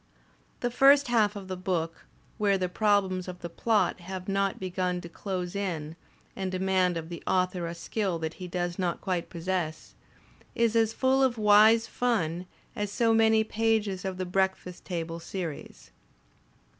The first half of the book, where the problems of the plot have not begun to close in and demand of the author a skill that he does not quite possess, is as full of wise fun as so many pages of the breakfast table series.